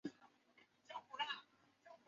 又被骗了